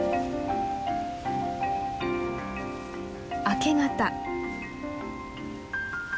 明け方。